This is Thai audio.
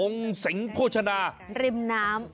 อ่องสิงโภชนาริมน้ำ